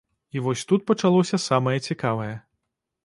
І вось тут пачалося самае цікавае.